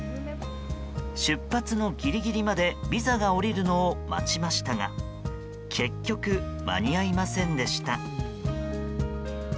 出発のギリギリまでビザが下りるのを待ちましたが結局、間に合いませんでした。